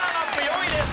４位です。